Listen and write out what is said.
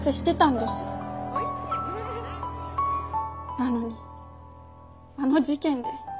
なのにあの事件で。